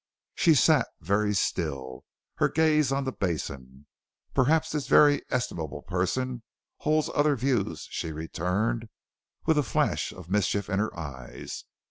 She sat very still, her gaze on the basin. "Perhaps this very estimable person holds other views?" she returned, with a flash of mischief in her eyes.